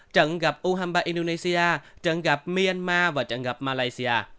trận gặp u hai mươi ba indonesia trận gặp myanmar và trận gặp malaysia